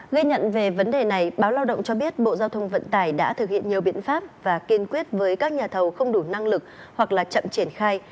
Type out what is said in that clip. ghi nhận về vấn đề này báo lao động cho biết bộ giao thông vận tải đã thực hiện nhiều biện pháp và kiên quyết với các nhà thầu không đủ năng lực hoặc là chậm triển khai